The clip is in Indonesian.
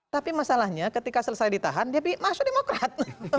tapi masalahnya ketika selesai ditahan dia masuk demokrat